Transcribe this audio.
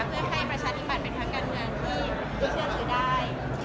เพื่อให้ประชาธิบัติเป็นภาคการงานที่เชื่อถือได้